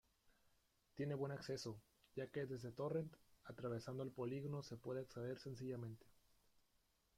Tiene buen acceso, ya que desde Torrent, atravesando el polígono se puede acceder sencillamente.